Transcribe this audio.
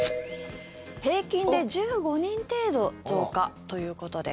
平均で１５人程度増加ということです。